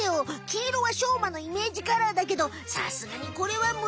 黄色はしょうまのイメージカラーだけどさすがにこれはムリなんじゃないの？